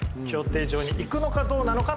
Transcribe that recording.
競艇場に行くのかどうなのか